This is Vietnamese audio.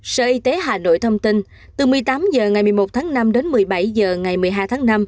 sở y tế hà nội thông tin từ một mươi tám h ngày một mươi một tháng năm đến một mươi bảy h ngày một mươi hai tháng năm